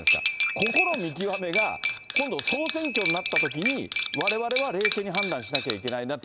ここの見極めが、今度、総選挙になったときに、われわれは冷静に判断しなきゃいけないなと。